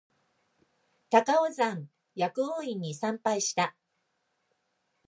高尾山薬王院に参拝した